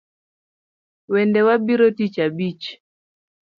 Wedewago biro tich abich